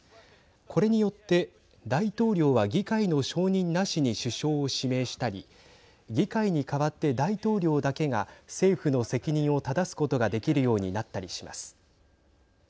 これによって大統領は議会の承認なしに首相を指名したり議会に代わって大統領だけが政府の責任をただすことができるようになったりします。